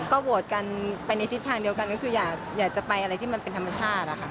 ก็โหวตกันไปในทิศทางเดียวกันก็คืออยากจะไปอะไรที่มันเป็นธรรมชาติอะค่ะ